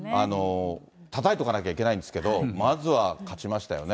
たたいとかなきゃいけないんですけど、まずは勝ちましたよね。